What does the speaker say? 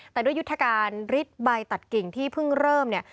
แต่ด้วยยุทธการฤทธิ์ใบตัดกิ่งที่เพิ่งเริ่มเนี่ย